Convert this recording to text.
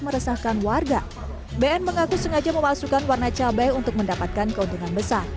meresahkan warga bn mengaku sengaja memasukkan warna cabai untuk mendapatkan keuntungan besar